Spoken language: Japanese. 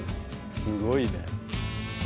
すごいね。